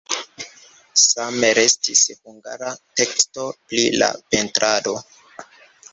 Same restis hungara teksto pri la pentrado.